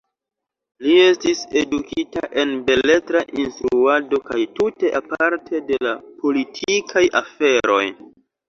Li estis edukita en beletra instruado kaj tute aparte de la politikaj aferoj.